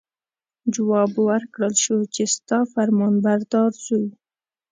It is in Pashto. جواب ورکړل شو چې ستا فرمانبردار زوی.